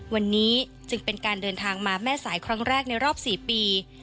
วันนี้จึงเป็นการเดินทางมาแม่สายครั้งแรกในรอบ๔ปี